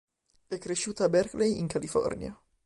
È cresciuta a Berkeley, in California.